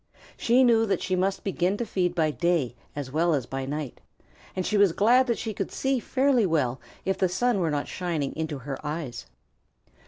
She knew that she must begin to feed by day as well as by night, and she was glad that she could see fairly well if the sun were not shining into her eyes.